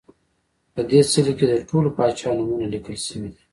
په دې څلي کې د ټولو پاچاهانو نومونه لیکل شوي دي